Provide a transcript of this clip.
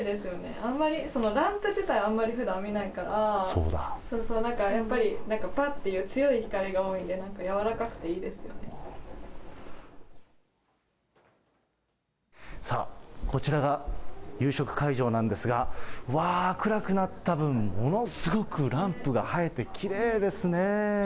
あんまりランプ自体、あんまりふだん見ないから、なんかやっぱり、なんか、ぱっていう強い光が多いので、さあ、こちらが夕食会場なんですが、うわーっ、暗くなった分、ものすごくランプが映えて、きれいですねぇ。